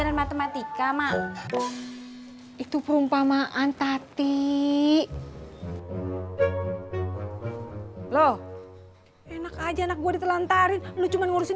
seratus k mathematika ma'am itu perumpamaan tatik glo enak aja buah itu lantarin lu cuman ngurungsin